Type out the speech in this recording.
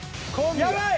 やばい！